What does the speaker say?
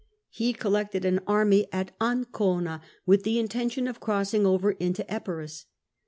He collected an army at Ancona, with the intention of crossing over into Epirus.